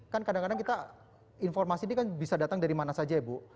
kan kadang kadang kita informasi ini kan bisa datang dari mana saja ya bu